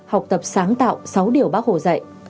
học tập sáng tạo sáu điều bác hồ dạy